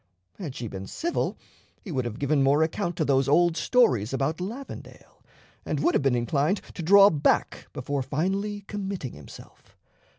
Had she been civil he would have given more account to those old stories about Lavendale, and would have been inclined to draw back before finally committing himself.